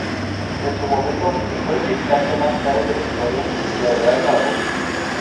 En su momento fue el fichaje más caro de la historia del Real Zaragoza.